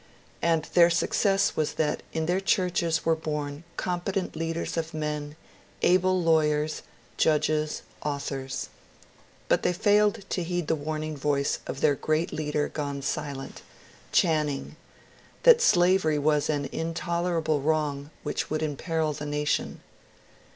And their success was that in their churches were bom competent leaders of men, able lawyers, judges, authors. But they failed to heed the warning voice of their great leader gone silent, — Channing, — that slavery was an intolerable wrong which would imperil the nation.